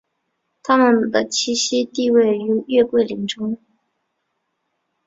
它们的栖息地位于月桂林中。